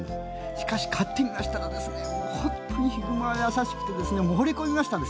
しかし、飼ってみましたら本当にヒグマは優しくてほれ込みました。